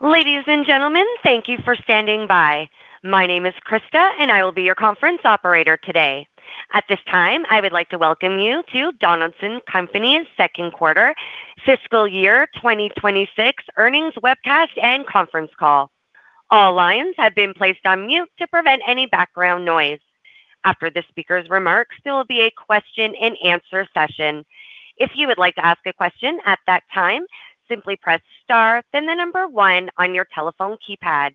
Ladies and gentlemen, thank you for standing by. My name is Krista, and I will be your conference operator today. At this time, I would like to welcome you to Donaldson Company's Q2 Fiscal Year 2026 earnings webcast and Conference Call. All lines have been placed on mute to prevent any background noise. After the speaker's remarks, there will be a question and answer session. If you would like to ask a question at that time, simply press star, then the one on your telephone keypad.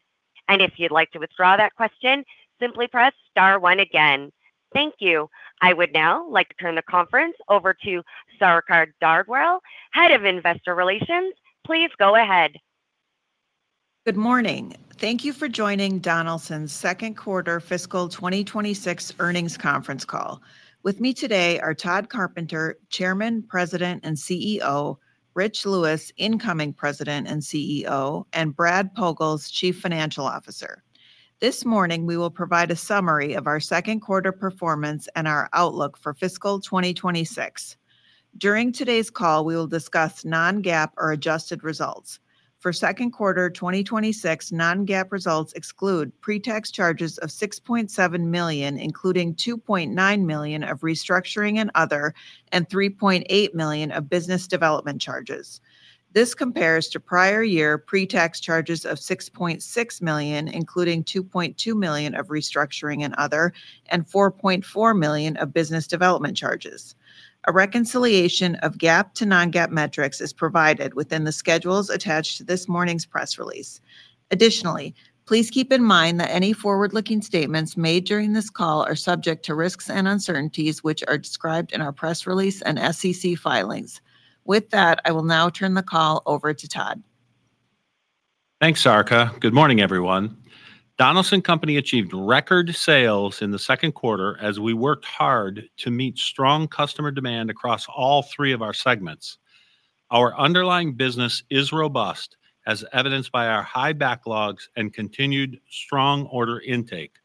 If you'd like to withdraw that question, simply press star one again. Thank you. I would now like to turn the conference over to Sarika Dhadwal, Head of Investor Relations. Please go ahead. Good morning. Thank you for joining Donaldson's Q2 fiscal 2026 earnings conference call. With me today are Tod Carpenter, Chairman, President, and CEO, Rich Lewis, Incoming President and CEO, and Brad Pogalz, Chief Financial Officer. This morning, we will provide a summary of our Q2 performance and our outlook for fiscal 2026. During today's call, we will discuss non-GAAP or adjusted results. For Q2 2026, non-GAAP results exclude pre-tax charges of $6.7 million, including $2.9 million of restructuring and other, and $3.8 million of business development charges. This compares to prior year pre-tax charges of $6.6 million, including $2.2 million of restructuring and other, and $4.4 million of business development charges. A reconciliation of GAAP to non-GAAP metrics is provided within the schedules attached to this morning's press release. Please keep in mind that any forward-looking statements made during this call are subject to risks and uncertainties, which are described in our press release and SEC filings. With that, I will now turn the call over to Tod. Thanks, Sarika. Good morning, everyone. Donaldson Company achieved record sales in the Q2 as we worked hard to meet strong customer demand across all three of our segments. Our underlying business is robust, as evidenced by our high backlogs and continued strong order intake.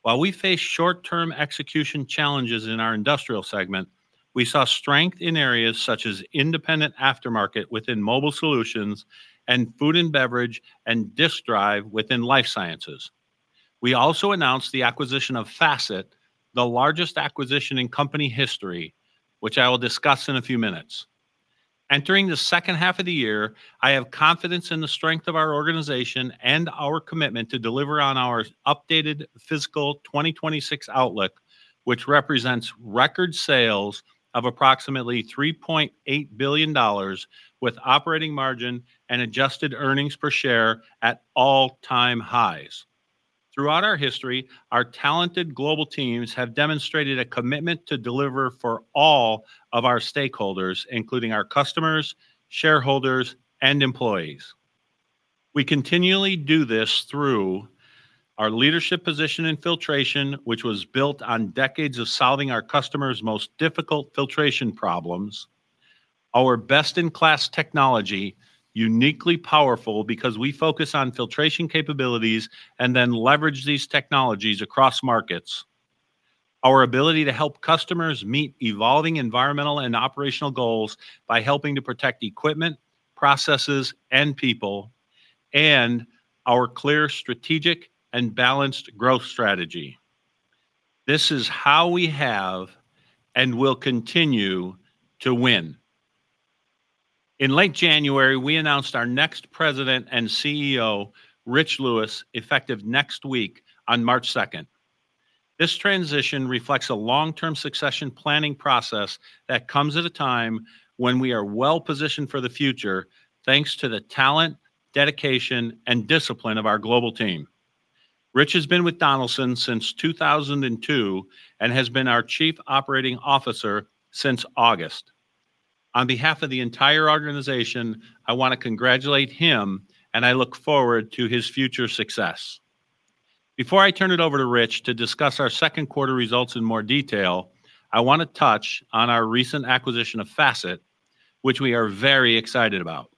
While we face short-term execution challenges in our industrial segment, we saw strength in areas such as independent aftermarket within mobile solutions and food and beverage and Disk Drive within life sciences. We also announced the acquisition of Facet, the largest acquisition in company history, which I will discuss in a few minutes. Entering the second half of the year, I have confidence in the strength of our organization and our commitment to deliver on our updated fiscal 2026 outlook, which represents record sales of approximately $3.8 billion, with operating margin and adjusted earnings per share at all-time highs. Throughout our history, our talented global teams have demonstrated a commitment to deliver for all of our stakeholders, including our customers, shareholders, and employees. We continually do this through our leadership position in filtration, which was built on decades of solving our customers' most difficult filtration problems, our best-in-class technology, uniquely powerful because we focus on filtration capabilities and then leverage these technologies across markets, our ability to help customers meet evolving environmental and operational goals by helping to protect equipment, processes, and people, and our clear strategic and balanced growth strategy. This is how we have and will continue to win. In late January, we announced our next President and CEO, Rich Lewis, effective next week on March 2nd. This transition reflects a long-term succession planning process that comes at a time when we are well-positioned for the future, thanks to the talent, dedication, and discipline of our global team. Rich has been with Donaldson since 2002 and has been our Chief Operating Officer since August. On behalf of the entire organization, I wanna congratulate him, and I look forward to his future success. Before I turn it over to Rich to discuss our Q2 results in more detail, I wanna touch on our recent acquisition of Facet, which we are very excited about.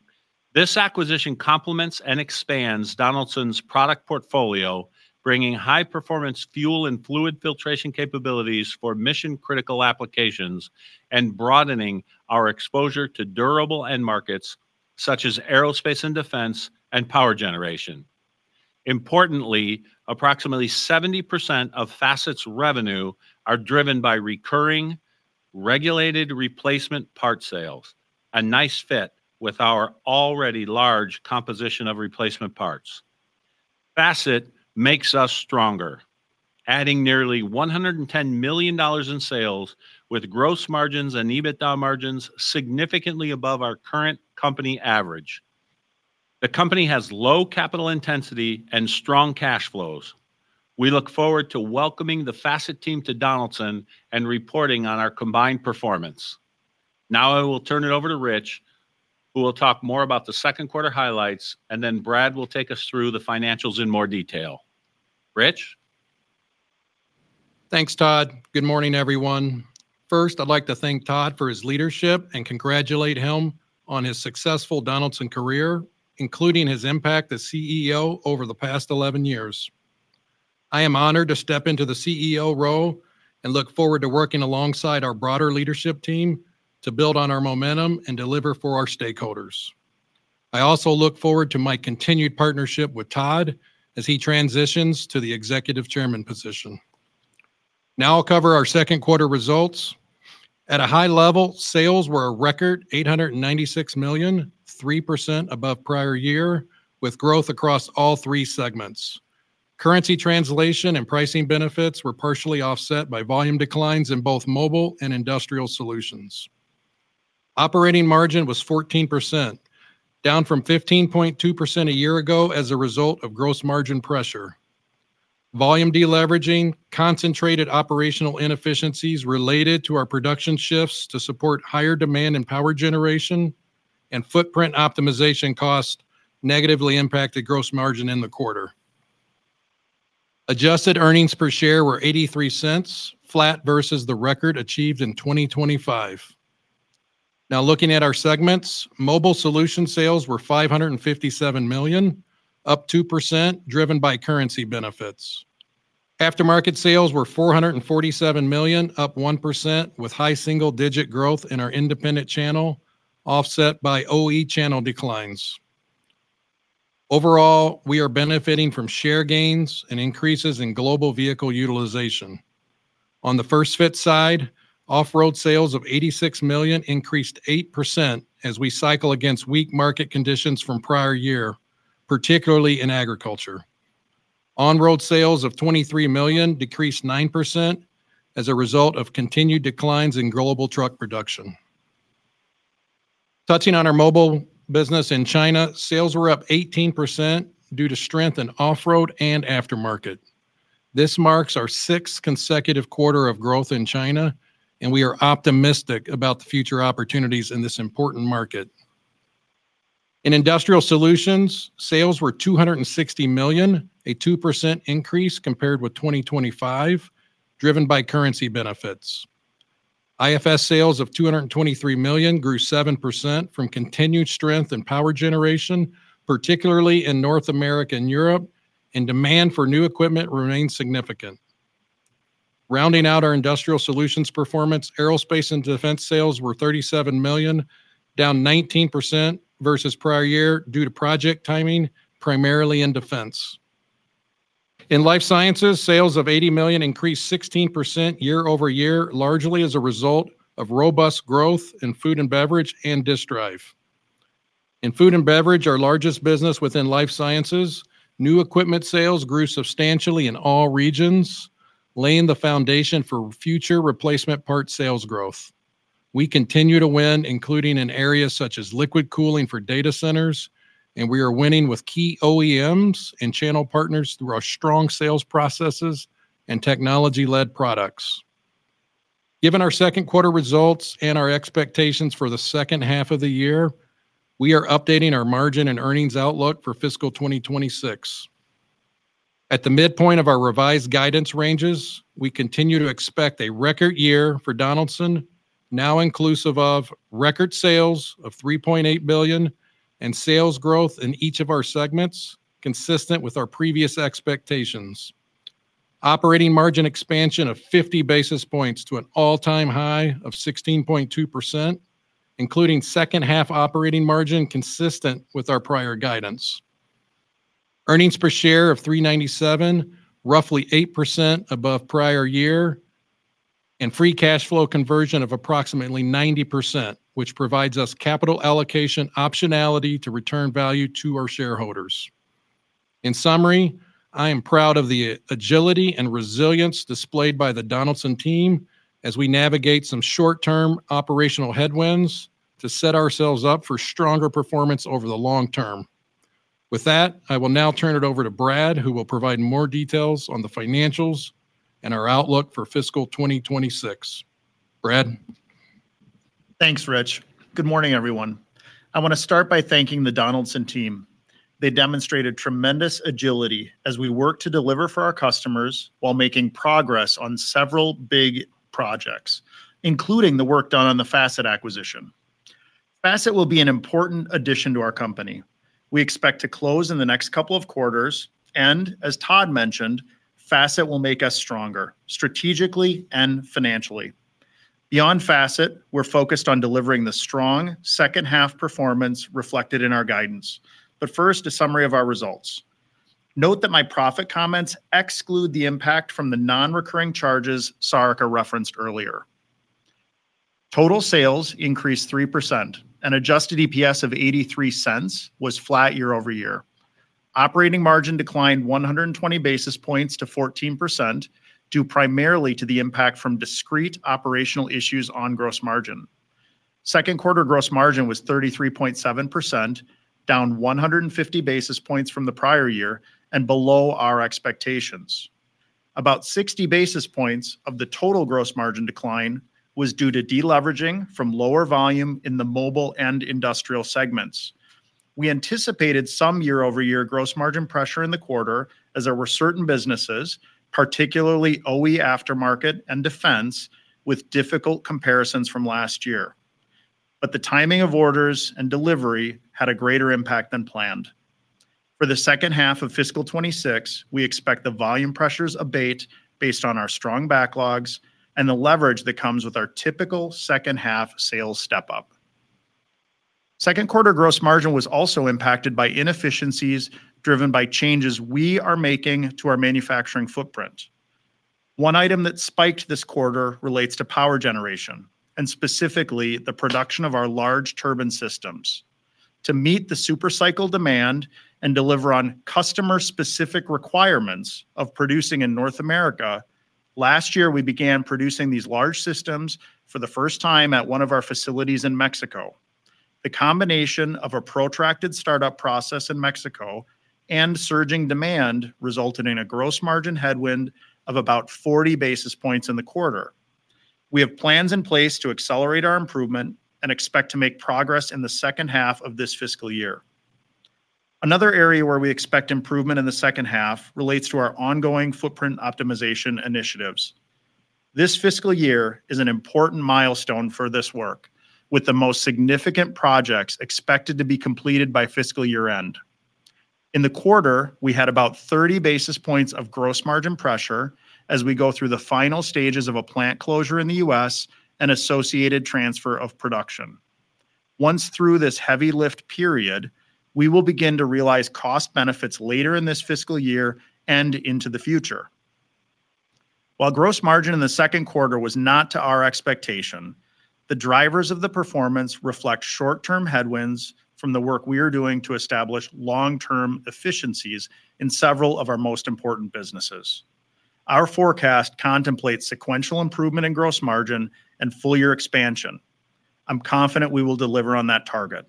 This acquisition complements and expands Donaldson's product portfolio, bringing high-performance fuel and fluid filtration capabilities for mission-critical applications and broadening our exposure to durable end markets, such as Aerospace and Defense and power generation. Importantly, approximately 70% of Facet's revenue are driven by recurring, regulated replacement part sales, a nice fit with our already large composition of replacement parts. Facet makes us stronger, adding nearly $110 million in sales, with gross margins and EBITDA margins significantly above our current company average. The company has low capital intensity and strong cash flows. We look forward to welcoming the Facet team to Donaldson and reporting on our combined performance. I will turn it over to Rich, who will talk more about the Q2 highlights, and then Brad will take us through the financials in more detail. Rich? Thanks, Tod. Good morning, everyone. First, I'd like to thank Tod for his leadership and congratulate him on his successful Donaldson Company career, including his impact as CEO over the past 11 years. I am honored to step into the CEO role and look forward to working alongside our broader leadership team to build on our momentum and deliver for our stakeholders. I also look forward to my continued partnership with Tod as he transitions to the executive chairman position. Now I'll cover our Q2 results. At a high level, sales were a record $896 million, 3% above prior year, with growth across all three segments. Currency translation and pricing benefits were partially offset by volume declines in both mobile and industrial solutions. Operating margin was 14%, down from 15.2% a year ago as a result of gross margin pressure. Volume de-leveraging, concentrated operational inefficiencies related to our production shifts to support higher demand and power generation, and footprint optimization costs negatively impacted gross margin in the quarter. Adjusted earnings per share were $0.83, flat versus the record achieved in 2025. Now, looking at our segments, mobile solution sales were $557 million, up 2%, driven by currency benefits. Aftermarket sales were $447 million, up 1%, with high single-digit growth in our independent channel, offset by OE channel declines. Overall, we are benefiting from share gains and increases in global vehicle utilization. On the first-fit side, off-road sales of $86 million increased 8% as we cycle against weak market conditions from prior year, particularly in agriculture. On-road sales of $23 million decreased 9% as a result of continued declines in global truck production. Touching on our mobile business in China, sales were up 18% due to strength in off-road and aftermarket. This marks our sixth consecutive quarter of growth in China, and we are optimistic about the future opportunities in this important market. In Industrial Solutions, sales were $260 million, a 2% increase compared with 2025, driven by currency benefits. IFS sales of $223 million grew 7% from continued strength in power generation, particularly in North America and Europe, and demand for new equipment remained significant. Rounding out our Industrial Solutions performance, Aerospace and Defense sales were $37 million, down 19% versus prior year due to project timing, primarily in defense. In Life Sciences, sales of $80 million increased 16% year-over-year, largely as a result of robust growth in food and beverage and Disk Drive. In food and beverage, our largest business within life sciences, new equipment sales grew substantially in all regions, laying the foundation for future replacement parts sales growth. We continue to win, including in areas such as liquid cooling for data centers, and we are winning with key OEMs and channel partners through our strong sales processes and technology-led products. Given our Q2 results and our expectations for the second half of the year, we are updating our margin and earnings outlook for fiscal 2026. At the midpoint of our revised guidance ranges, we continue to expect a record year for Donaldson, now inclusive of record sales of $3.8 billion and sales growth in each of our segments, consistent with our previous expectations. Operating margin expansion of 50 basis points to an all-time high of 16.2%, including second half operating margin, consistent with our prior guidance. Earnings per share of $3.97, roughly 8% above prior year, free cash flow conversion of approximately 90%, which provides us capital allocation optionality to return value to our shareholders. In summary, I am proud of the agility and resilience displayed by the Donaldson team as we navigate some short-term operational headwinds to set ourselves up for stronger performance over the long term. With that, I will now turn it over to Brad, who will provide more details on the financials and our outlook for fiscal 2026. Brad? Thanks, Rich. Good morning, everyone. I want to start by thanking the Donaldson team. They demonstrated tremendous agility as we work to deliver for our customers while making progress on several big projects, including the work done on the Facet acquisition. Facet will be an important addition to our company. We expect to close in the next couple of quarters. As Tod mentioned, Facet will make us stronger, strategically and financially. Beyond Facet, we're focused on delivering the strong second-half performance reflected in our guidance. First, a summary of our results. Note that my profit comments exclude the impact from the non-recurring charges Sarika referenced earlier. Total sales increased 3%. Adjusted EPS of $0.83 was flat year-over-year. Operating margin declined 120 basis points to 14%, due primarily to the impact from discrete operational issues on gross margin. Q2 gross margin was 33.7%, down 150 basis points from the prior year and below our expectations. About 60 basis points of the total gross margin decline was due to de-leveraging from lower volume in the mobile and industrial segments. We anticipated some year-over-year gross margin pressure in the quarter, as there were certain businesses, particularly OE aftermarket and defense, with difficult comparisons from last year. The timing of orders and delivery had a greater impact than planned. For the second half of fiscal 26, we expect the volume pressures abate based on our strong backlogs and the leverage that comes with our typical second-half sales step-up. Q2 gross margin was also impacted by inefficiencies driven by changes we are making to our manufacturing footprint. One item that spiked this quarter relates to power generation. Specifically, the production of our large turbine systems. To meet the super cycle demand and deliver on customer-specific requirements of producing in North America, last year, we began producing these large systems for the first time at one of our facilities in Mexico. The combination of a protracted startup process in Mexico and surging demand resulted in a gross margin headwind of about 40 basis points in the quarter. We have plans in place to accelerate our improvement and expect to make progress in the second half of this fiscal year. Another area where we expect improvement in the second half relates to our ongoing footprint optimization initiatives. This fiscal year is an important milestone for this work, with the most significant projects expected to be completed by fiscal year-end. In the quarter, we had about 30 basis points of gross margin pressure as we go through the final stages of a plant closure in the U.S. and associated transfer of production. Once through this heavy lift period, we will begin to realize cost benefits later in this fiscal year and into the future. While gross margin in the Q2 was not to our expectation, the drivers of the performance reflect short-term headwinds from the work we are doing to establish long-term efficiencies in several of our most important businesses. Our forecast contemplates sequential improvement in gross margin and full year expansion. I'm confident we will deliver on that target.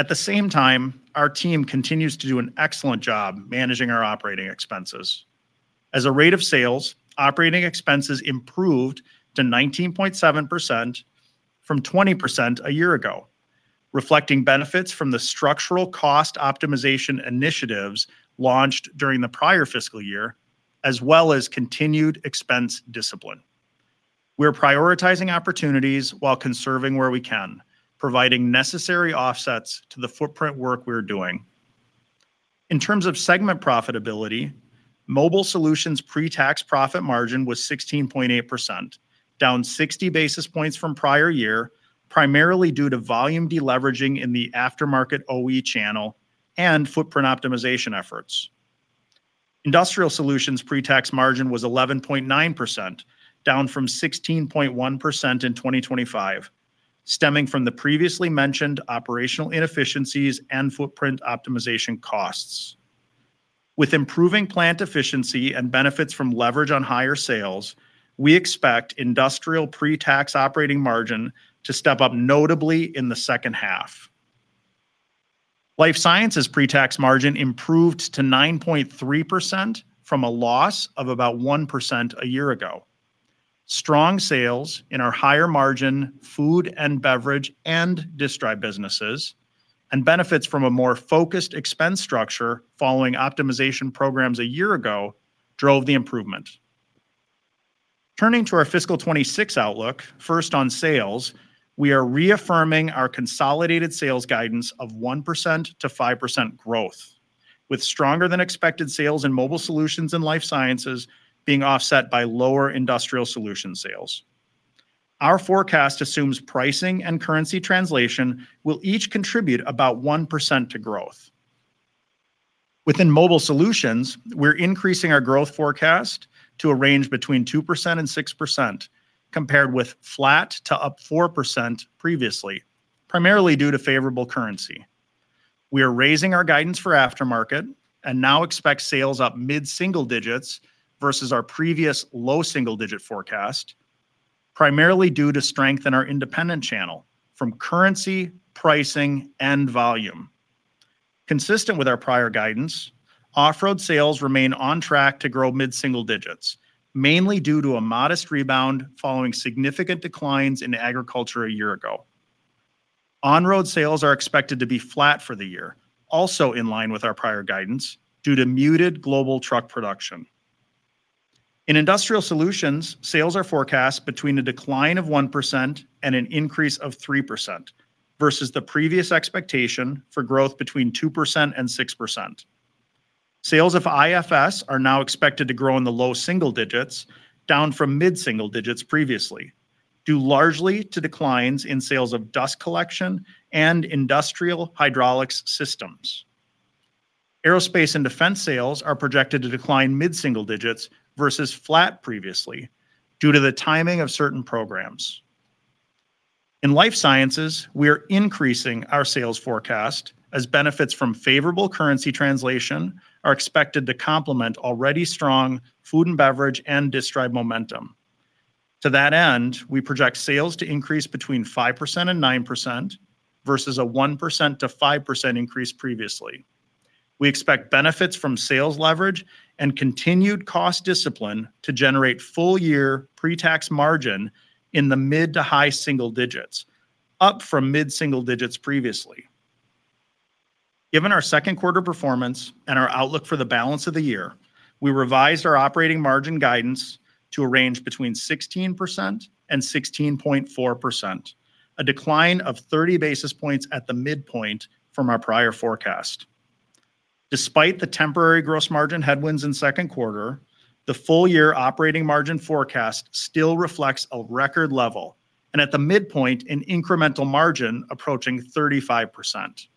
At the same time, our team continues to do an excellent job managing our operating expenses. As a rate of sales, operating expenses improved to 19.7% from 20% a year ago, reflecting benefits from the structural cost optimization initiatives launched during the prior fiscal year, as well as continued expense discipline. We're prioritizing opportunities while conserving where we can, providing necessary offsets to the footprint work we're doing. In terms of segment profitability, Mobile Solutions' pre-tax profit margin was 16.8%, down 60 basis points from prior year, primarily due to volume deleveraging in the aftermarket OE channel and footprint optimization efforts. Industrial Solutions' pre-tax margin was 11.9%, down from 16.1% in 2025, stemming from the previously mentioned operational inefficiencies and footprint optimization costs. With improving plant efficiency and benefits from leverage on higher sales, we expect industrial pre-tax operating margin to step up notably in the second half. Life Sciences' pre-tax margin improved to 9.3% from a loss of about 1% a year ago. Strong sales in our higher margin, food and beverage, and Disk Drive businesses, and benefits from a more focused expense structure following optimization programs a year ago, drove the improvement. Turning to our fiscal 26 outlook, first on sales, we are reaffirming our consolidated sales guidance of 1% to 5% growth, with stronger-than-expected sales in Mobile Solutions and Life Sciences being offset by lower Industrial Solutions sales. Our forecast assumes pricing and currency translation will each contribute about 1% to growth. Within Mobile Solutions, we're increasing our growth forecast to a range between 2% and 6%, compared with flat to up 4% previously, primarily due to favorable currency. We are raising our guidance for aftermarket and now expect sales up mid-single digits versus our previous low single-digit forecast, primarily due to strength in our independent channel from currency, pricing, and volume. Consistent with our prior guidance, off-road sales remain on track to grow mid-single digits, mainly due to a modest rebound following significant declines in agriculture a year ago. On-road sales are expected to be flat for the year, also in line with our prior guidance, due to muted global truck production. In Industrial Solutions, sales are forecast between a decline of 1% and an increase of 3% versus the previous expectation for growth between 2% and 6%. Sales of IFS are now expected to grow in the low single digits, down from mid-single digits previously, due largely to declines in sales of dust collection and industrial hydraulics systems. Aerospace and Defense sales are projected to decline mid-single digits versus flat previously, due to the timing of certain programs. In Life Sciences, we are increasing our sales forecast as benefits from favorable currency translation are expected to complement already strong food and beverage and Disk Drive momentum. To that end, we project sales to increase between 5% and 9% versus a 1%-5% increase previously. We expect benefits from sales leverage and continued cost discipline to generate full-year pre-tax margin in the mid to high single digits, up from mid-single digits previously. Given our Q2 performance and our outlook for the balance of the year, we revised our operating margin guidance to a range between 16% and 16.4%, a decline of 30 basis points at the midpoint from our prior forecast. Despite the temporary gross margin headwinds in Q2, the full year operating margin forecast still reflects a record level, and at the midpoint, an incremental margin approaching 35%.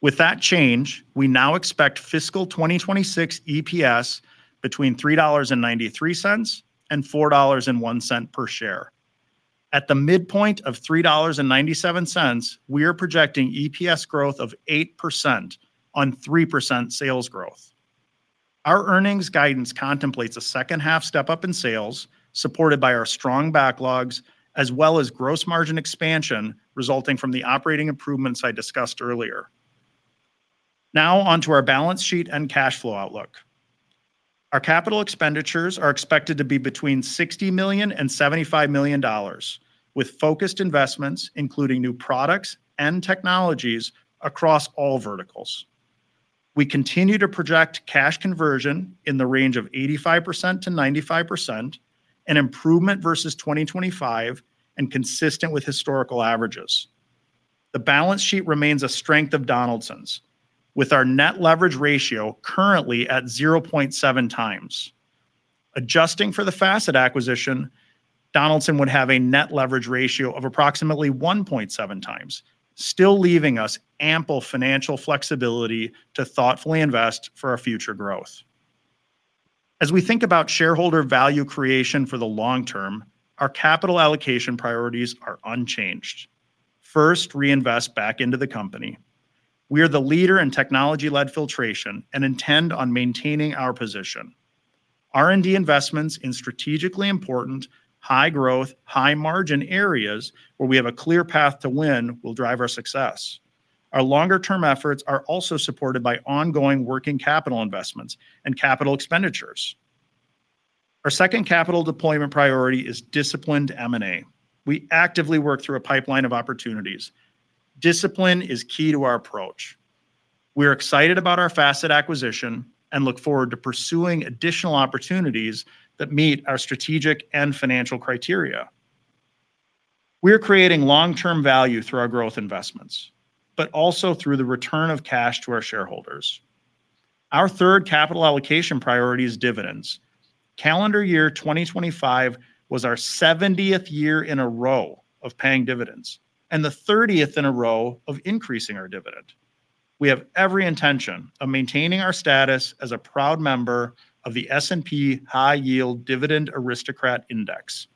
With that change, we now expect fiscal 2026 EPS between $3.93 and $4.01 per share. At the midpoint of $3.97, we are projecting EPS growth of 8% on 3% sales growth. Our earnings guidance contemplates a second-half step-up in sales, supported by our strong backlogs, as well as gross margin expansion resulting from the operating improvements I discussed earlier. Onto our balance sheet and cash flow outlook. Our capital expenditures are expected to be between $60 million and $75 million, with focused investments, including new products and technologies across all verticals. We continue to project cash conversion in the range of 85%-95%, an improvement versus 2025 and consistent with historical averages. The balance sheet remains a strength of Donaldson's, with our net leverage ratio currently at 0.7 times. Adjusting for the Facet acquisition, Donaldson would have a net leverage ratio of approximately 1.7 times, still leaving us ample financial flexibility to thoughtfully invest for our future growth. As we think about shareholder value creation for the long term, our capital allocation priorities are unchanged. First, reinvest back into the company. We are the leader in technology-led filtration and intend on maintaining our position. R&D investments in strategically important, high growth, high margin areas where we have a clear path to win will drive our success. Our longer-term efforts are also supported by ongoing working capital investments and capital expenditures. Our second capital deployment priority is disciplined M&A. We actively work through a pipeline of opportunities. Discipline is key to our approach. We are excited about our Facet acquisition and look forward to pursuing additional opportunities that meet our strategic and financial criteria. We are creating long-term value through our growth investments, but also through the return of cash to our shareholders. Our third capital allocation priority is dividends. Calendar year 2025 was our 70th year in a row of paying dividends and the 30th in a row of increasing our dividend. We have every intention of maintaining our status as a proud member of the S&P High Yield Dividend Aristocrats Index.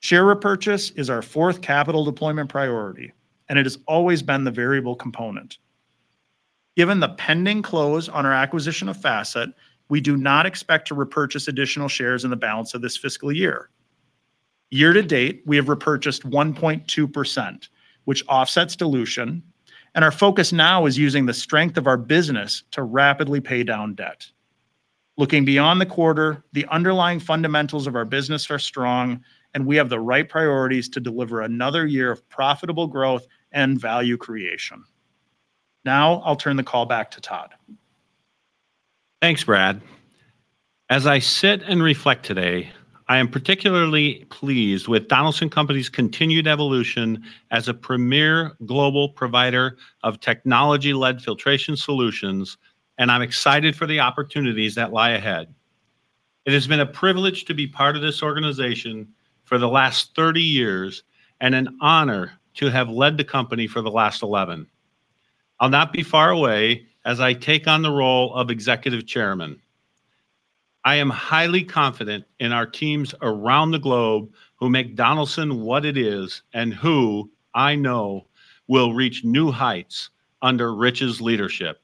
Share repurchase is our fourth capital deployment priority, and it has always been the variable component. Given the pending close on our acquisition of Facet, we do not expect to repurchase additional shares in the balance of this fiscal year. Year to date, we have repurchased 1.2%, which offsets dilution, our focus now is using the strength of our business to rapidly pay down debt. Looking beyond the quarter, the underlying fundamentals of our business are strong, we have the right priorities to deliver another year of profitable growth and value creation. I'll turn the call back to Tod. Thanks, Brad. As I sit and reflect today, I am particularly pleased with Donaldson Company's continued evolution as a premier global provider of technology-led filtration solutions, and I'm excited for the opportunities that lie ahead. It has been a privilege to be part of this organization for the last 30 years and an honor to have led the company for the last 11. I'll not be far away as I take on the role of Executive Chairman. I am highly confident in our teams around the globe who make Donaldson what it is, and who I know will reach new heights under Rich's leadership.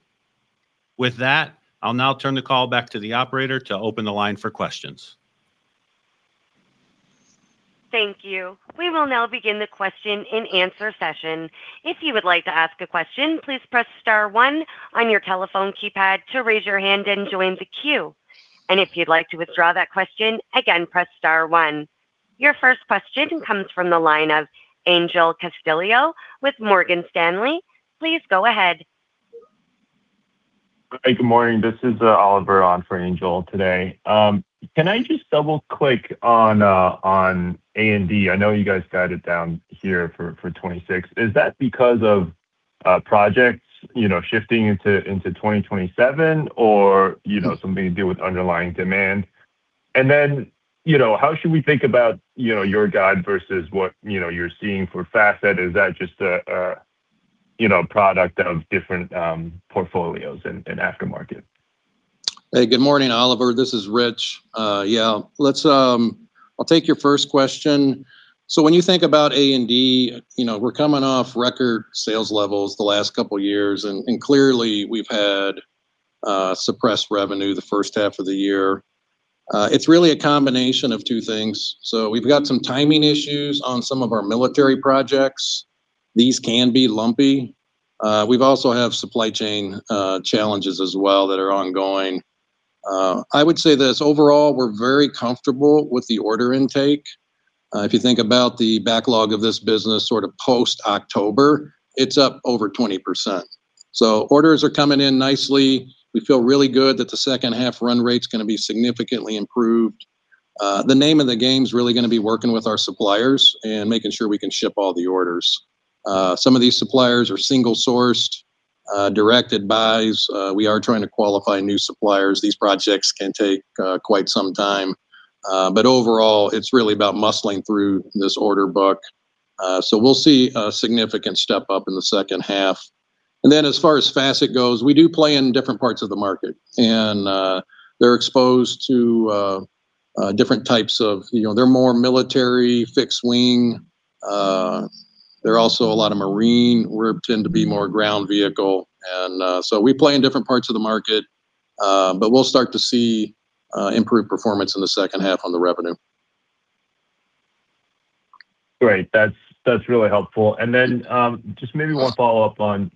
With that, I'll now turn the call back to the operator to open the line for questions. Thank you. We will now begin the question-and-answer session. If you would like to ask a question, please press star one on your telephone keypad to raise your hand and join the queue. If you'd like to withdraw that question, again, press star one. Your first question comes from the line of Angel Castillo with Morgan Stanley. Please go ahead. Hey, good morning. This is Oliver on for Angel today. Can I just double-click on A&D? I know you guys got it down here for 26. Is that because of projects, you know, shifting into 2027 or, you know, something to do with underlying demand? Then, you know, how should we think about, you know, your guide versus what, you know, you're seeing for Facet? Is that just a, you know, product of different portfolios and aftermarket? Hey, good morning, Oliver. This is Rich. yeah, let's I'll take your first question. When you think about A&D, you know, we're coming off record sales levels the last couple of years, and clearly, we've had suppressed revenue the first half of the year. It's really a combination of two things. We've got some timing issues on some of our military projects. These can be lumpy. We've also have supply chain challenges as well that are ongoing. I would say this, overall, we're very comfortable with the order intake. If you think about the backlog of this business sort of post-October, it's up over 20%. Orders are coming in nicely. We feel really good that the second half run rate's gonna be significantly improved. The name of the game is really gonna be working with our suppliers and making sure we can ship all the orders. Some of these suppliers are single-sourced, directed buys. We are trying to qualify new suppliers. These projects can take quite some time, but overall, it's really about muscling through this order book. We'll see a significant step up in the second half. As far as Facet goes, we do play in different parts of the market, and they're exposed to. You know, they're more military, fixed wing. They're also a lot of marine. We're tend to be more ground vehicle. We play in different parts of the market, but we'll start to see improved performance in the second half on the revenue. Great. That's really helpful. Then just maybe one follow-up on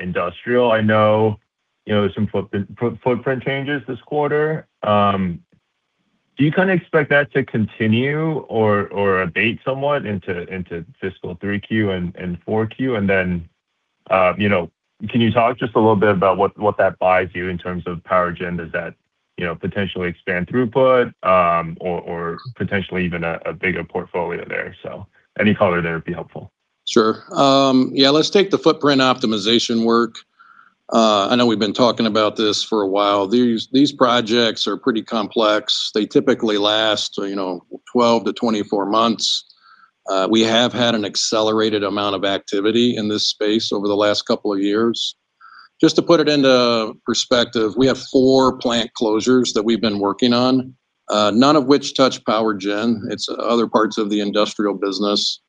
industrial. I know, you know, there's some footprint changes this quarter. Do you kinda expect that to continue or abate somewhat into fiscal three Q and four Q? Then, you know, can you talk just a little bit about what that buys you in terms of power gen? Does that, you know, potentially expand throughput or potentially even a bigger portfolio there? Any color there would be helpful. Sure. Yeah, let's take the footprint optimization work. I know we've been talking about this for a while. These projects are pretty complex. They typically last, you know, 12 to 24 months. We have had an accelerated amount of activity in this space over the last couple of years. Just to put it into perspective, we have 4 plant closures that we've been working on, none of which touch power gen. It's other parts of the industrial business.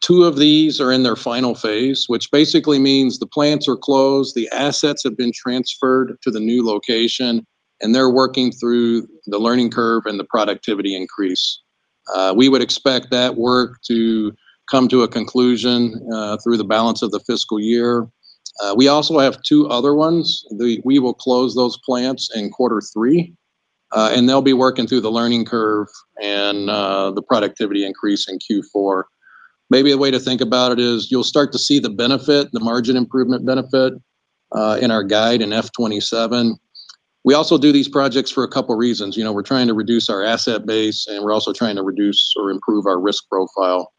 2 of these are in their final phase, which basically means the plants are closed, the assets have been transferred to the new location, and they're working through the learning curve and the productivity increase. We would expect that work to come to a conclusion, through the balance of the fiscal year. We also have 2 other ones. We will close those plants in quarter three, and they'll be working through the learning curve and the productivity increase in Q4. Maybe a way to think about it is you'll start to see the benefit, the margin improvement benefit, in our guide in F27. We also do these projects for a couple reasons. You know, we're trying to reduce our asset base, and we're also trying to reduce or improve our risk profile.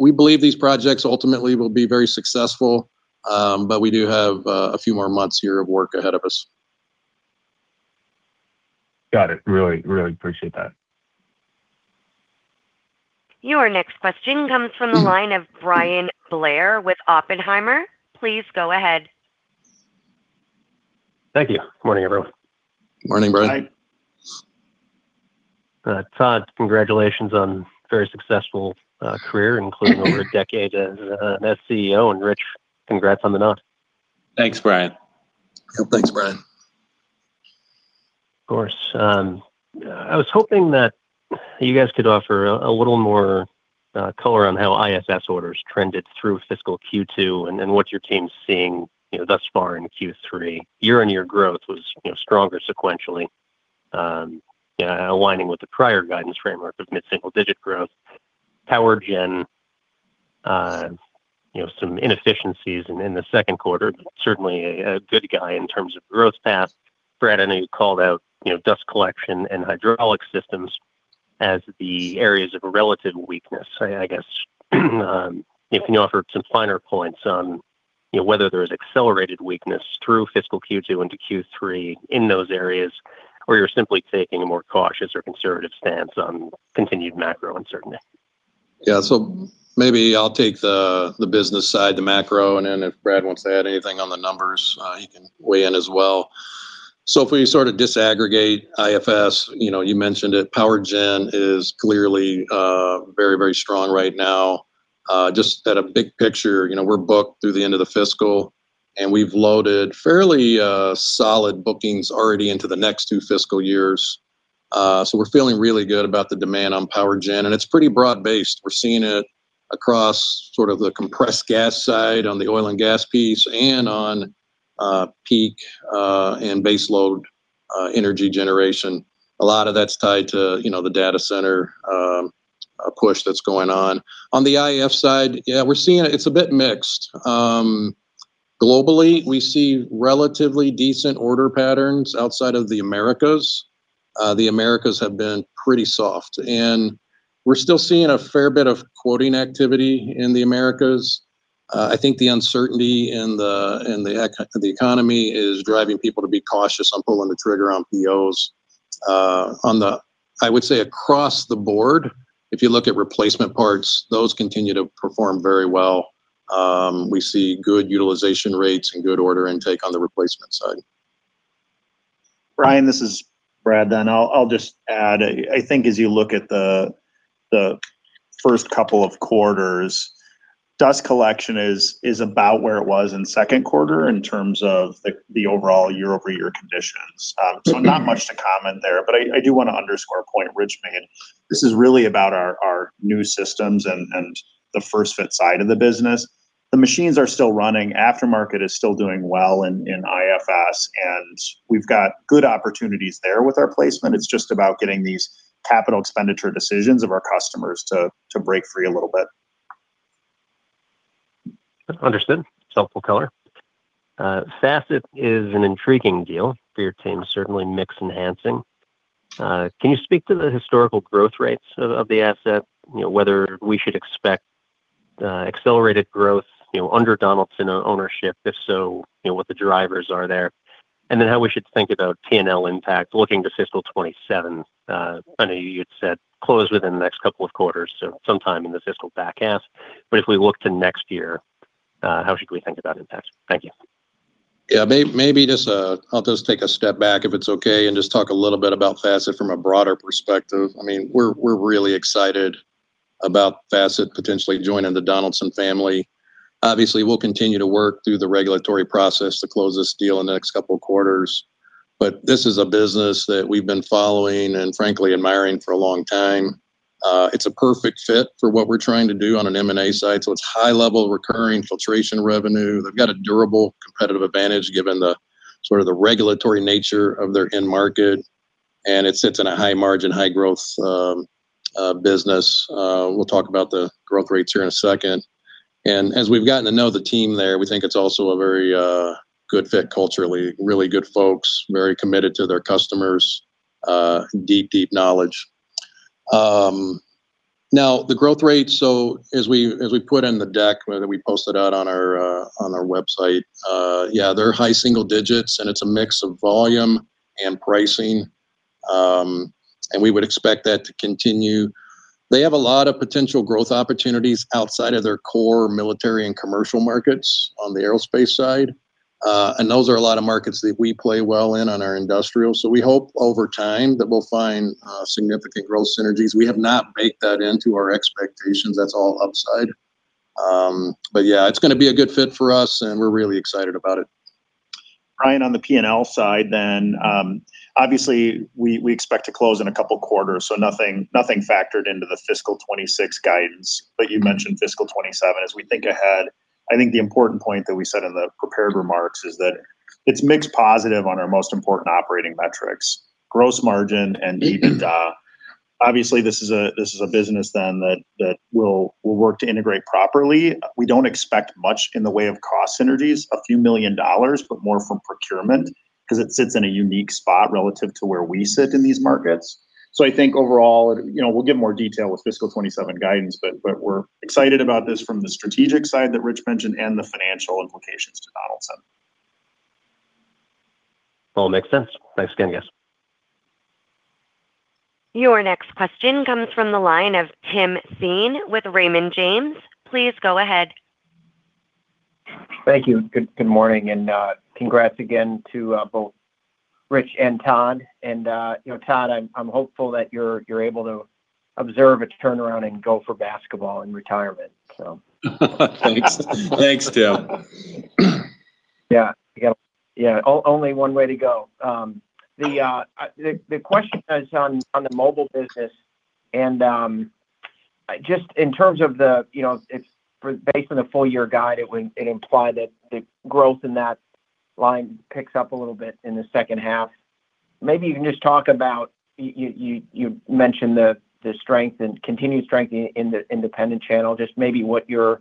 We believe these projects ultimately will be very successful, but we do have a few more months here of work ahead of us. Got it. Really, really appreciate that. Your next question comes from the line of Bryan Blair with Oppenheimer. Please go ahead. Thank you. Morning, everyone. Morning, Bryan. Hi. Tod, congratulations on a very successful career, including over a decade as CEO. Rich, congrats on the nod. Thanks, Bryan. Thanks, Brian. Of course. I was hoping that you guys could offer a little more color on how IFS orders trended through fiscal Q2, what your team's seeing, you know, thus far in Q3. Year-on-year growth was, you know, stronger sequentially, aligning with the prior guidance framework of mid-single-digit growth. Power gen, you know, some inefficiencies in the Q2, but certainly a good guy in terms of growth path. Brad, I know you called out, you know, dust collection and hydraulic systems as the areas of relative weakness. I guess, if you can offer some finer points on, you know, whether there is accelerated weakness through fiscal Q2 into Q3 in those areas or you're simply taking a more cautious or conservative stance on continued macro uncertainty. Yeah, maybe I'll take the business side, the macro, if Brad wants to add anything on the numbers, he can weigh in as well. If we sort of disaggregate IFS, you know, you mentioned it, power gen is clearly very, very strong right now. Just at a big picture, you know, we're booked through the end of the fiscal, we've loaded fairly solid bookings already into the next 2 fiscal years. We're feeling really good about the demand on power gen, it's pretty broad-based. We're seeing it across sort of the compressed gas side, on the oil and gas piece, and on peak and base load energy generation. A lot of that's tied to, you know, the data center push that's going on. On the IAF side, yeah, we're seeing it's a bit mixed. Globally, we see relatively decent order patterns outside of the Americas. The Americas have been pretty soft, and we're still seeing a fair bit of quoting activity in the Americas. I think the uncertainty in the economy is driving people to be cautious on pulling the trigger on POS. I would say across the board, if you look at replacement parts, those continue to perform very well. We see good utilization rates and good order intake on the replacement side. Brian, this is Brad. I'll just add, I think as you look at the first couple of quarters, dust collection is about where it was in the Q2 in terms of the overall year-over-year conditions. Not much to comment there, but I do want to underscore a point Rich made. This is really about our new systems and the first-fit side of the business. The machines are still running, aftermarket is still doing well in IFS, and we've got good opportunities there with our placement. It's just about getting these capital expenditure decisions of our customers to break free a little bit. Understood. Helpful color. Facet is an intriguing deal for your team, certainly mix enhancing. Can you speak to the historical growth rates of the asset? You know, whether we should expect accelerated growth, you know, under Donaldson ownership? If so, you know, what the drivers are there, and then how we should think about P&L impact looking to fiscal 2027. I know you had said close within the next couple of quarters, so sometime in the fiscal back half, but if we look to next year, how should we think about impact? Thank you. Yeah, maybe just, I'll just take a step back, if it's okay, and just talk a little bit about Facet from a broader perspective. I mean, we're really excited about Facet potentially joining the Donaldson family. Obviously, we'll continue to work through the regulatory process to close this deal in the next couple of quarters, but this is a business that we've been following and frankly admiring for a long time. It's a perfect fit for what we're trying to do on an M&A side, so it's high level recurring filtration revenue. They've got a durable, competitive advantage, given the sort of the regulatory nature of their end market, and it sits in a high margin, high growth, business. We'll talk about the growth rates here in a second. As we've gotten to know the team there, we think it's also a very good fit culturally. Really good folks, very committed to their customers, deep knowledge. Now, the growth rate, as we put in the deck, whether we posted out on our website, yeah, they're high single digits, and it's a mix of volume and pricing, and we would expect that to continue. They have a lot of potential growth opportunities outside of their core military and commercial markets on the aerospace side. Those are a lot of markets that we play well in on our industrial. We hope over time that we'll find significant growth synergies. We have not baked that into our expectations. That's all upside. Yeah, it's gonna be a good fit for us, and we're really excited about it. Ryan, on the P&L side, obviously, we expect to close in a couple quarters, so nothing factored into the fiscal 26 guidance, but you mentioned fiscal 27. As we think ahead, I think the important point that we said in the prepared remarks is that it's mixed positive on our most important operating metrics, gross margin and EBITDA. Obviously, this is a business that we'll work to integrate properly. We don't expect much in the way of cost synergies, a few million dollars, but more from procurement, 'cause it sits in a unique spot relative to where we sit in these markets. I think overall, you know, we'll give more detail with fiscal 27 guidance, but we're excited about this from the strategic side that Rich mentioned and the financial implications to Donaldson. All makes sense. Thanks again, guys. Your next question comes from the line of Tim Thein with Raymond James. Please go ahead. Thank you. Good morning, and congrats again to both Rich and Tod. You know, Tod, I'm hopeful that you're able to observe its turnaround and Gopher basketball in retirement, so. Thanks. Thanks, Tim. Yeah, yeah, only one way to go. The question is on the mobile business, just in terms of the, you know, it's based on the full year guide, it would, it implied that the growth in that line picks up a little bit in the second half. Maybe you can just talk about, you mentioned the strength and continued strength in the independent channel, just maybe what you're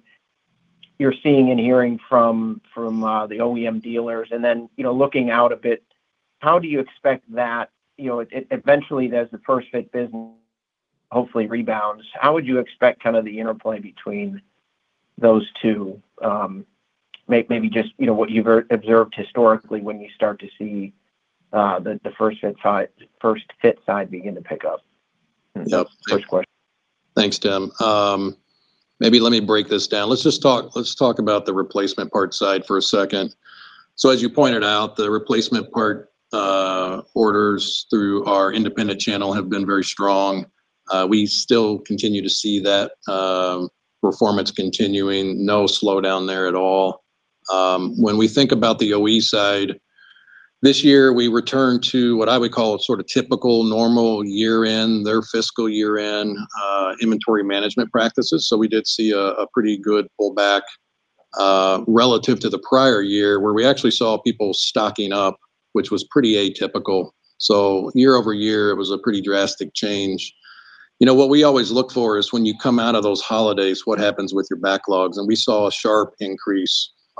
seeing and hearing from the OEM dealers, then, you know, looking out a bit, how do you expect that, you know, eventually, as the first fit business hopefully rebounds, how would you expect kind of the interplay between those two? maybe just, you know, what you've observed historically when you start to see, the first fit side begin to pick up? So- First question. Thanks, Tim. maybe let me break this down. Let's just talk, let's talk about the replacement parts side for a second. as you pointed out, the replacement part, orders through our independent channel have been very strong. We still continue to see that, performance continuing. No slowdown there at all. When we think about the OE side, this year, we returned to what I would call a sort of typical, normal year-end, their fiscal year-end, inventory management practices. we did see a pretty good pullback, relative to the prior year, where we actually saw people stocking up, which was pretty atypical. year-over-year, it was a pretty drastic change. You know, what we always look for is when you come out of those holidays, what happens with your backlogs? We saw a sharp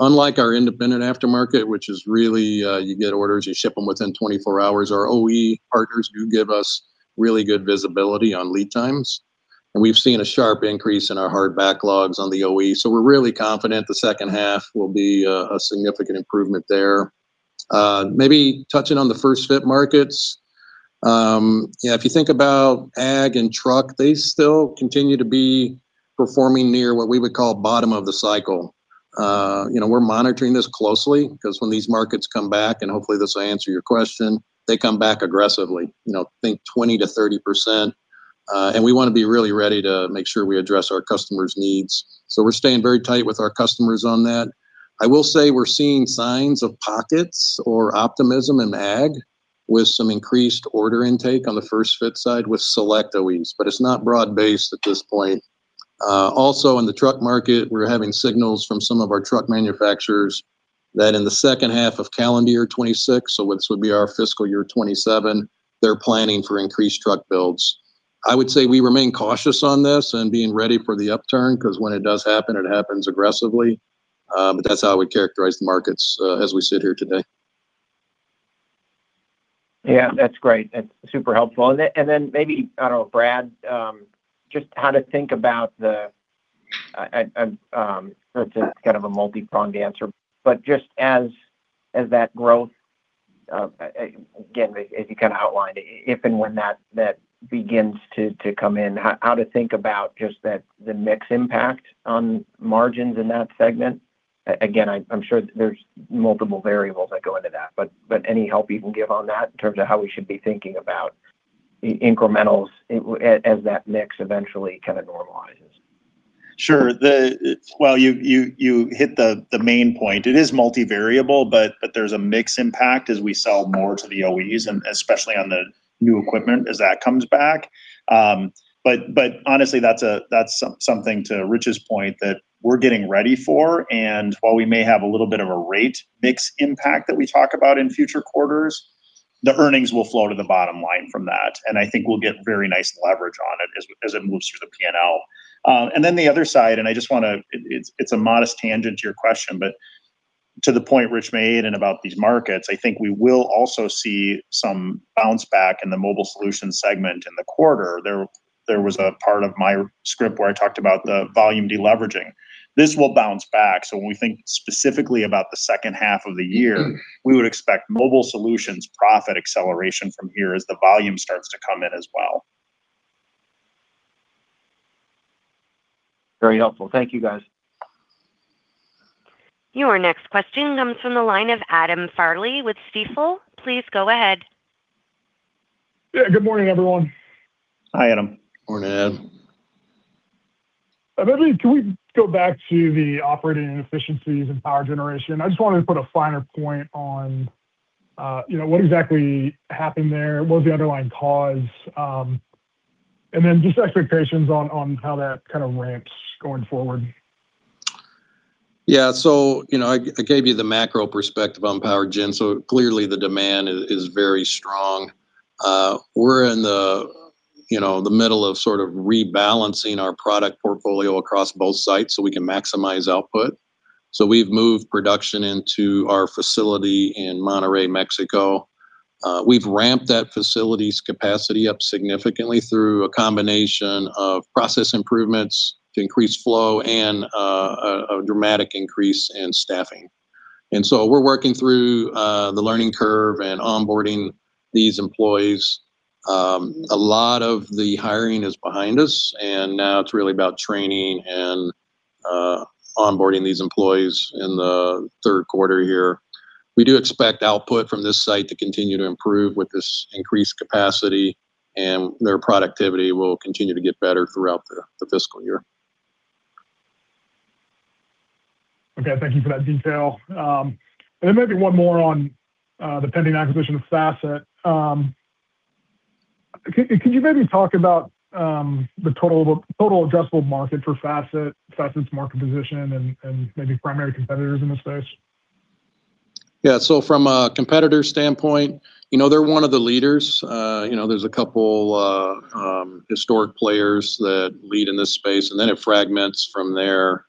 increase. Unlike our independent aftermarket, which is really, you get orders, you ship them within 24 hours, our OE partners do give us really good visibility on lead times, and we've seen a sharp increase in our hard backlogs on the OE. We're really confident the second half will be a significant improvement there. Maybe touching on the first fit markets, you know, if you think about ag and truck, they still continue to be performing near what we would call bottom of the cycle. You know, we're monitoring this closely, 'cause when these markets come back, and hopefully, this will answer your question, they come back aggressively. You know, think 20%-30%, and we wanna be really ready to make sure we address our customers' needs. We're staying very tight with our customers on that. I will say we're seeing signs of pockets or optimism in ag with some increased order intake on the first fit side with select OEs, but it's not broad-based at this point. Also, in the truck market, we're having signals from some of our truck manufacturers that in the second half of calendar year 2026, so this would be our fiscal year 2027, they're planning for increased truck builds. I would say we remain cautious on this and being ready for the upturn, 'cause when it does happen, it happens aggressively. That's how we characterize the markets, as we sit here today. Yeah, that's great. That's super helpful. Then, then maybe, I don't know, Brad, just how to think about the... It's a kind of a multipronged answer, but just as that growth again, as you kind of outlined, if and when that begins to come in, how to think about just that, the mix impact on margins in that segment? Again, I'm sure there's multiple variables that go into that, but any help you can give on that in terms of how we should be thinking about the Incrementals, as that mix eventually kind of normalizes. Sure. Well, you hit the main point. It is multivariable, but there's a mix impact as we sell more to the OEs, and especially on the new equipment, as that comes back. But honestly, that's something, to Rich's point, that we're getting ready for. While we may have a little bit of a rate mix impact that we talk about in future quarters, the earnings will flow to the bottom line from that, and I think we'll get very nice leverage on it as it moves through the P&L. Then the other side, and I just want to. It's a modest tangent to your question, but to the point Rich made and about these markets, I think we will also see some bounce back in the mobile solutions segment in the quarter. There was a part of my script where I talked about the volume deleveraging. This will bounce back, so when we think specifically about the second half of the year. Mm-hmm. We would expect mobile solutions profit acceleration from here as the volume starts to come in as well. Very helpful. Thank you, guys. Your next question comes from the line of Adam Farley with Stifel. Please go ahead. Good morning, everyone. Hi, Adam. Morning, Ad. Maybe can we go back to the operating inefficiencies in power generation? I just wanted to put a finer point on, you know, what exactly happened there, what was the underlying cause, and then just expectations on how that kind of ramps going forward. You know, I gave you the macro perspective on power gen, clearly the demand is very strong. We're in the, you know, the middle of sort of rebalancing our product portfolio across both sites so we can maximize output. We've moved production into our facility in Monterrey, Mexico. We've ramped that facility's capacity up significantly through a combination of process improvements to increase flow and a dramatic increase in staffing. We're working through the learning curve and onboarding these employees. A lot of the hiring is behind us, and now it's really about training and onboarding these employees in the Q3 here. We do expect output from this site to continue to improve with this increased capacity, and their productivity will continue to get better throughout the fiscal year. Okay, thank you for that detail. Maybe one more on the pending acquisition of Facet. Can you maybe talk about the total addressable market for Facet's market position, and maybe primary competitors in this space? Yeah, from a competitor standpoint, you know, they're one of the leaders. You know, there's a couple historic players that lead in this space, and then it fragments from there.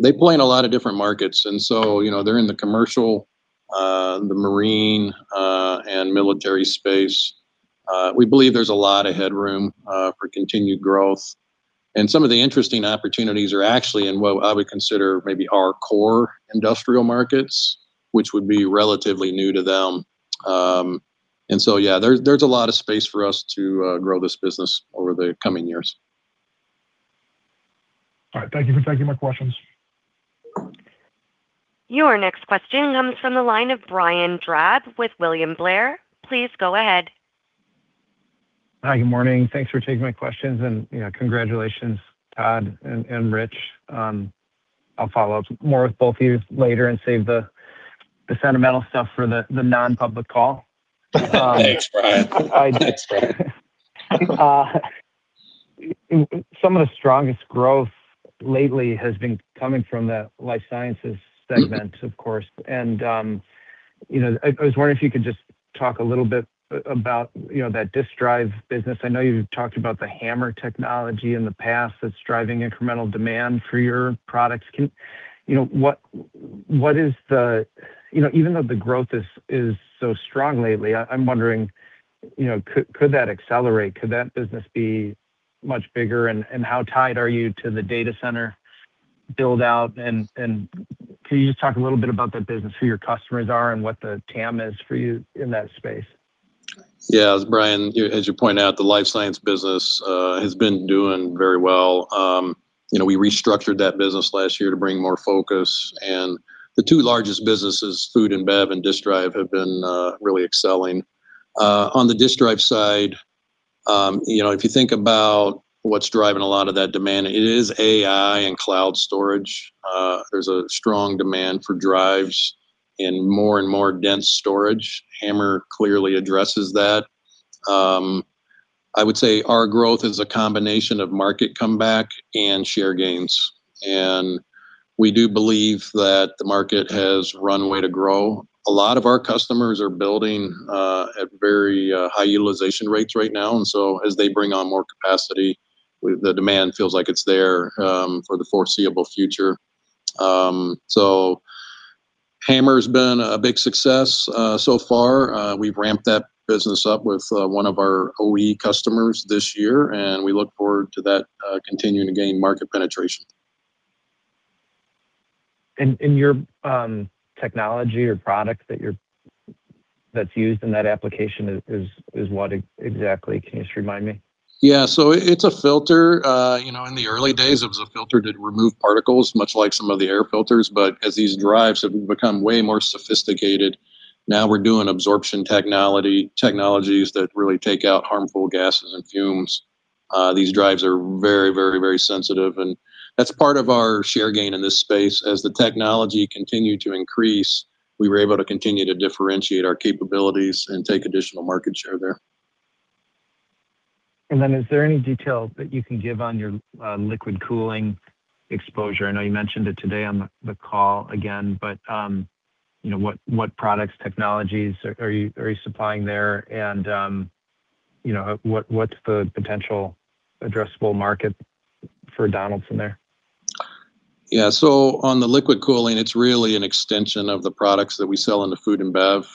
They play in a lot of different markets, you know, they're in the commercial, the marine, and military space. We believe there's a lot of headroom for continued growth. Some of the interesting opportunities are actually in what I would consider maybe our core industrial markets, which would be relatively new to them. Yeah, there's a lot of space for us to grow this business over the coming years. All right. Thank you for taking my questions. Your next question comes from the line of Brian Drab with William Blair. Please go ahead. Hi, good morning. Thanks for taking my questions, and, you know, congratulations, Tod and Rich. I'll follow up more with both of you later and save the sentimental stuff for the non-public call. Thanks, Brian. Thanks, Brian. Some of the strongest growth lately has been coming from the Life Sciences segment. Mm-hmm. Of course, you know, I was wondering if you could just talk a little bit about, you know, that Disk Drive business. I know you've talked about the HAMR technology in the past that's driving incremental demand for your products. You know, what is the... You know, even though the growth is so strong lately, I'm wondering, you know, could that accelerate? Could that business be much bigger, and how tied are you to the data center build-out? Can you just talk a little bit about that business, who your customers are, and what the TAM is for you in that space? Yeah, Brian, you, as you point out, the life science business has been doing very well. You know, we restructured that business last year to bring more focus, the two largest businesses, food and Bev and Disk Drive, have been really excelling. On the Disk Drive side, you know, if you think about what's driving a lot of that demand, it is AI and cloud storage. There's a strong demand for drives in more and more dense storage. HAMR clearly addresses that. I would say our growth is a combination of market comeback and share gains. We do believe that the market has runway to grow. A lot of our customers are building at very high utilization rates right now. As they bring on more capacity, the demand feels like it's there for the foreseeable future. HAMR's been a big success so far. We've ramped that business up with one of our OE customers this year, and we look forward to that continuing to gain market penetration. And your technology or product that's used in that application is what exactly? Can you just remind me? Yeah, it's a filter. You know, in the early days, it was a filter that removed particles, much like some of the air filters, but as these drives have become way more sophisticated, now we're doing absorption technologies that really take out harmful gases and fumes. These drives are very, very, very sensitive, and that's part of our share gain in this space. As the technology continued to increase, we were able to continue to differentiate our capabilities and take additional market share there. Is there any detail that you can give on your liquid cooling exposure? I know you mentioned it today on the call again, but, you know, what products, technologies are you supplying there? You know, what's the potential addressable market for Donaldson there? Yeah, on the liquid cooling, it's really an extension of the products that we sell in the food and Bev.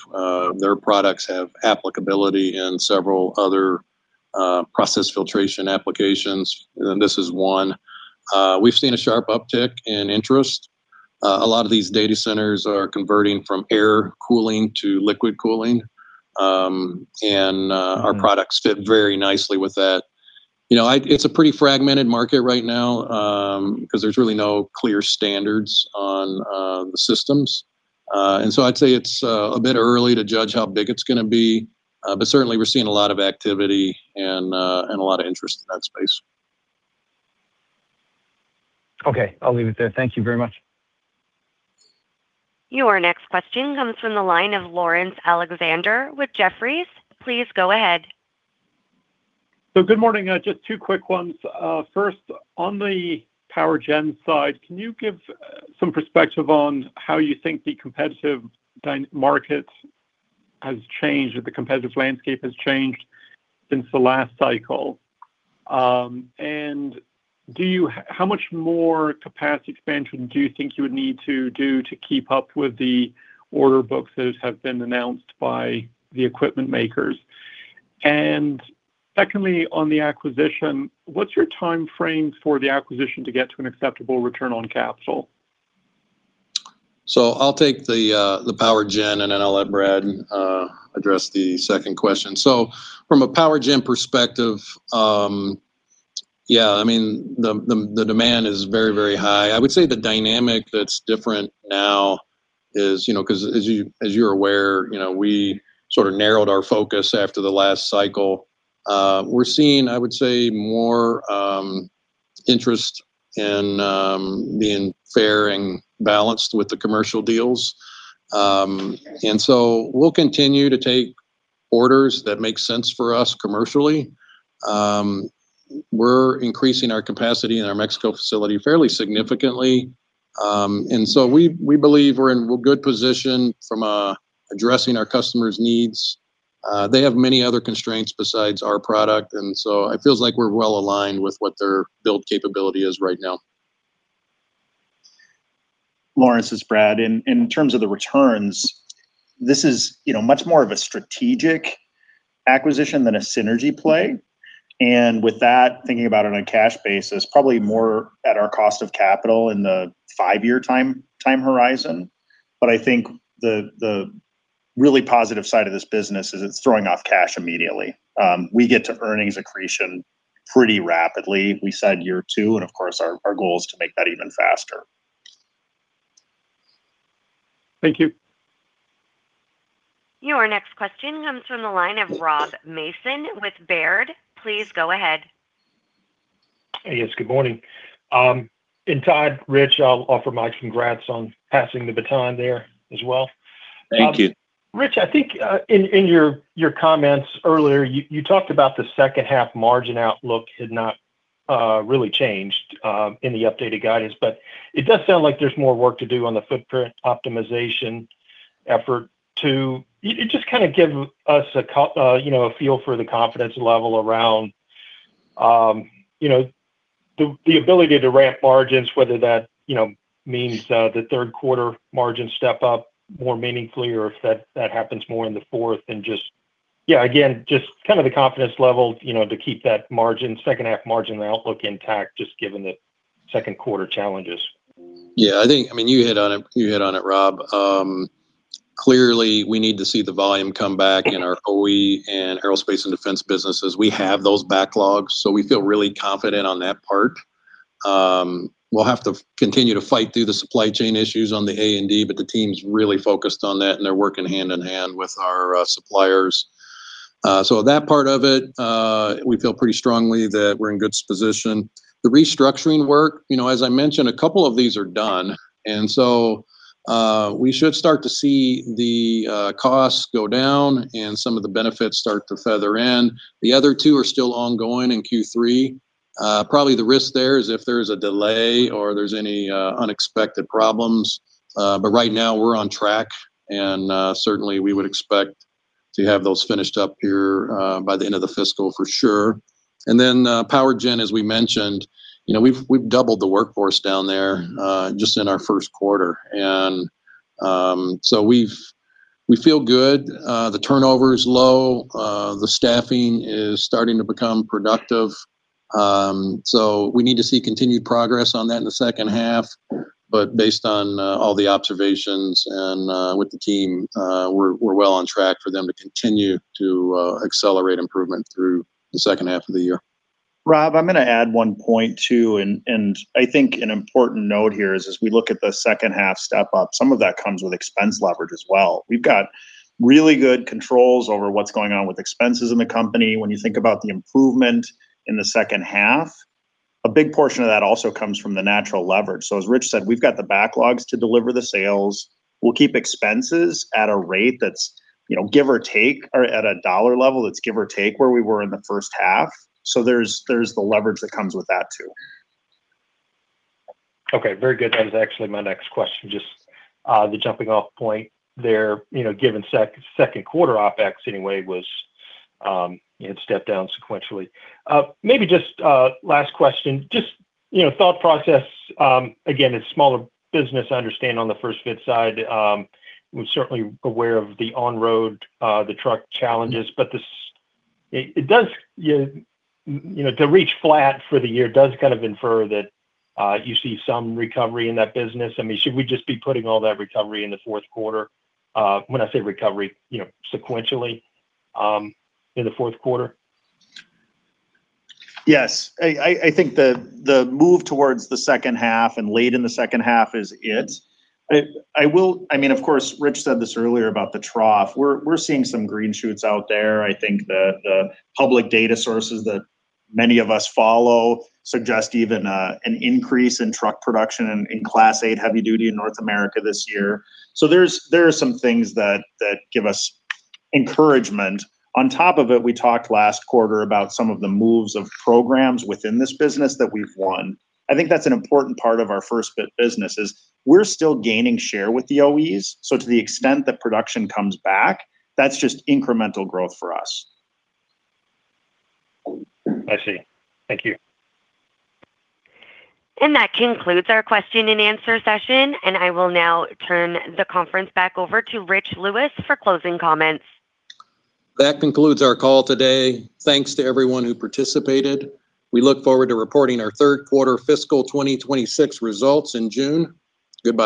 Their products have applicability in several other, process filtration applications, and this is one. We've seen a sharp uptick in interest. A lot of these data centers are converting from air cooling to liquid cooling. Mm-hmm... our products fit very nicely with that. You know, it's a pretty fragmented market right now, 'cause there's really no clear standards on the systems. I'd say it's a bit early to judge how big it's gonna be, but certainly we're seeing a lot of activity and a lot of interest in that space. Okay, I'll leave it there. Thank you very much. Your next question comes from the line of Laurence Alexander with Jefferies. Please go ahead. Good morning. Just 2 quick ones. First, on the power gen side, can you give some perspective on how you think the competitive market has changed, or the competitive landscape has changed since the last cycle? How much more capacity expansion do you think you would need to do to keep up with the order books that have been announced by the equipment makers? Secondly, on the acquisition, what's your time frame for the acquisition to get to an acceptable return on capital? I'll take the power gen, and then I'll let Brad address the second question. From a power gen perspective, yeah, I mean, the demand is very, very high. I would say the dynamic that's different now is, you know, 'cause as you, as you're aware, you know, we sort of narrowed our focus after the last cycle. We're seeing, I would say, more interest in being fair and balanced with the commercial deals. We'll continue to take orders that make sense for us commercially. We're increasing our capacity in our Mexico facility fairly significantly. We believe we're in a good position from addressing our customers' needs. They have many other constraints besides our product, and so it feels like we're well aligned with what their build capability is right now. Laurence, it's Brad. In terms of the returns, this is, you know, much more of a strategic acquisition than a synergy play. With that, thinking about it on a cash basis, probably more at our cost of capital in the 5-year time horizon. I think the really positive side of this business is it's throwing off cash immediately. We get to earnings accretion pretty rapidly. We said year 2. Of course, our goal is to make that even faster. Thank you. Your next question comes from the line of Rob Mason with Baird. Please go ahead. Yes, good morning. Tod, Rich, I'll offer my congrats on passing the baton there as well. Thank you. Rich, I think in your comments earlier, you talked about the second half margin outlook had not really changed in the updated guidance. It does sound like there's more work to do on the footprint optimization effort, too. You just kind of give us a feel for the confidence level around the ability to ramp margins, whether that, you know, means the Q3 margins step up more meaningfully, or if that happens more in the fourth. Just, yeah, again, just kind of the confidence level, you know, to keep that margin, second half margin outlook intact, just given the Q2 challenges. Yeah, I think, I mean, you hit on it, Rob. Clearly, we need to see the volume come back in our OE and aerospace and defense businesses. We have those backlogs. We feel really confident on that part. We'll have to continue to fight through the supply chain issues on the A&D, the team's really focused on that, and they're working hand in hand with our suppliers. That part of it, we feel pretty strongly that we're in good position. The restructuring work, you know, as I mentioned, a couple of these are done. We should start to see the costs go down and some of the benefits start to feather in. The other two are still ongoing in Q3. Probably the risk there is if there's a delay or there's any unexpected problems, but right now we're on track, and certainly we would expect to have those finished up here by the end of the fiscal for sure. Powergen, as we mentioned, you know, we've doubled the workforce down there just in our Q1. We feel good. The turnover is low, the staffing is starting to become productive. We need to see continued progress on that in the second half, but based on all the observations and with the team, we're well on track for them to continue to accelerate improvement through the second half of the year. Rob, I'm gonna add one point, too, and I think an important note here is as we look at the second half step up, some of that comes with expense leverage as well. We've got really good controls over what's going on with expenses in the company. When you think about the improvement in the second half, a big portion of that also comes from the natural leverage. As Rich said, we've got the backlogs to deliver the sales. We'll keep expenses at a rate that's, you know, give or take, or at a dollar level, that's give or take where we were in the first half. There's the leverage that comes with that, too. Okay, very good. That was actually my next question, just, the jumping off point there, you know, given Q2 OpEx anyway was, it had stepped down sequentially. Maybe just a last question, just, you know, thought process, again, it's smaller business, I understand, on the first fit side. We're certainly aware of the on-road, the truck challenges, but this, it does, you know, to reach flat for the year does kind of infer that, you see some recovery in that business. I mean, should we just be putting all that recovery in the Q4? When I say recovery, you know, sequentially, in the Q4? Yes. I think the move towards the second half and late in the second half is it. I mean, of course, Rich said this earlier about the trough. We're seeing some green shoots out there. I think that the public data sources that many of us follow suggest even an increase in truck production in Class 8 heavy duty in North America this year. There are some things that give us encouragement. On top of it, we talked last quarter about some of the moves of programs within this business that we've won. I think that's an important part of our first fit business, is we're still gaining share with the OEs, to the extent that production comes back, that's just incremental growth for us. I see. Thank you. That concludes our question and answer session, and I will now turn the conference back over to Rich Lewis for closing comments. That concludes our call today. Thanks to everyone who participated. We look forward to reporting our Q3 fiscal 2026 results in June. Goodbye.